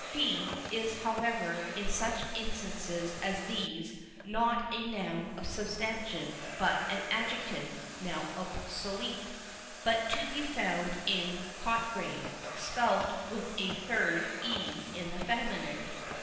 "Fée" is, however, in such instances as these, not a noun substantive, but an adjective, now obsolete, but to be found in Cotgrave, spelt with a third e in the feminine.